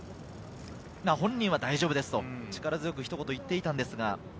本人は大丈夫ですと力強くひと言、言っていたんですが。